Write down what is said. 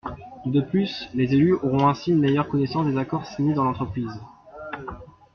De plus, les élus auront ainsi une meilleure connaissance des accords signés dans l’entreprise.